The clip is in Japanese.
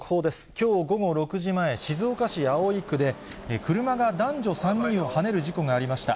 きょう午後６時前、静岡市葵区で、車が男女３人をはねる事故がありました。